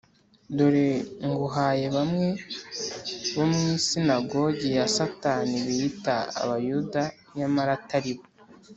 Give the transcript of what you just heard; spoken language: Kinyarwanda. Dore nguhaye bamwe bo mu isinagogi ya Satani biyita Abayuda nyamara atari bo